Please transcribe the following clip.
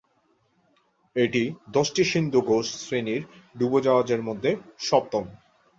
এটি দশটি সিন্ধুঘোষ-শ্রেণির ডুবোজাহাজের মধ্যে সপ্তম।